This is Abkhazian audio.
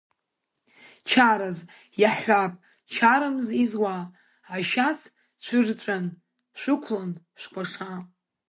Чараз, иаҳҳәап, чарамыз изуа, ашьац цәырҵәан шәықәлан шәкәаша.